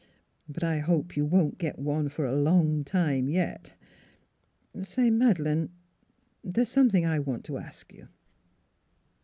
" But I hope you won't get one for a long time yet. ... Say, Madeleine, there's something I want to ask you."